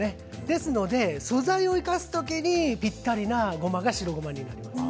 ですので素材を生かす時にぴったりなごまは白ごまになります。